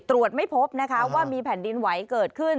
ตรวจไม่พบนะคะว่ามีแผ่นดินไหวเกิดขึ้น